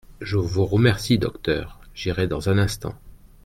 Je vous remercie, docteur ; j'irai dans un instant.